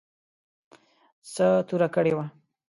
څه توره کړې وه.